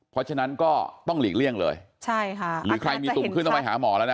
เพราะฉะนั้นก็ต้องหลีกเลี่ยงเลยใช่ค่ะหรือใครมีตุ่มขึ้นต้องไปหาหมอแล้วนะ